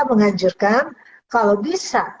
mengajurkan kalau bisa